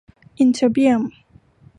อิตเทอร์เบียม